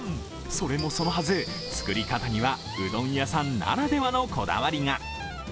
それもそのはず、作り方にはうどん屋さんならではのこだわりが。